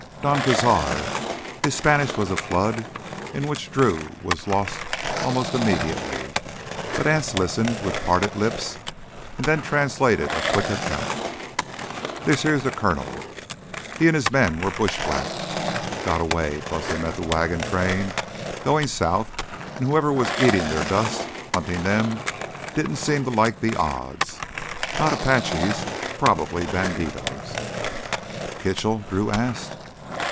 "Don Cazar." His Spanish was a flood in which Drew was lost almost immediately, but Anse listened with parted lips and then translated a quick account. "This here's th' Coronel. He an' his men was bushwhacked. Got away 'cause they met th' wagon train goin' south an' whoever was eatin' their dust huntin' them didn't seem to like the odds. Not Apaches, probably bandidos——" "Kitchell?" Drew asked.